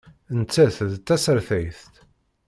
Nettat d tasertayt.